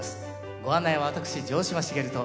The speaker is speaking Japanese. ご案内は私城島茂と。